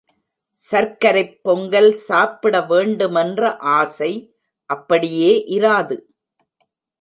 சர்க்கரைப் பொங்கல் சாப்பிட வேண்டுமென்ற ஆசை அப்படியே இராது.